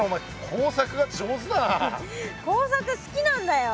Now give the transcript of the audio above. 工作好きなんだよ。